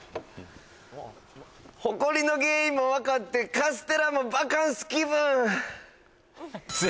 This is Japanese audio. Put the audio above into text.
「ホコリの原因もわかってカステラもバカンス気分」。